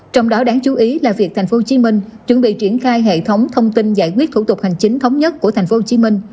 trong đó đáng chú ý là việc tp hcm chuẩn bị triển khai hệ thống thông tin giải quyết thủ tục hành chính thống nhất của tp hcm